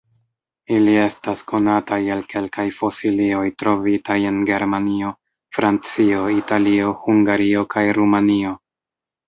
Ili estas konataj el kelkaj fosilioj trovitaj en Germanio, Francio, Italio, Hungario kaj Rumanio.